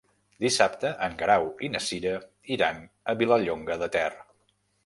Dissabte en Guerau i na Cira iran a Vilallonga de Ter.